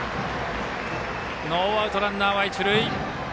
ノーアウトランナーは一塁。